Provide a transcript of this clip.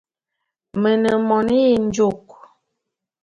Me ne mone yenjôk.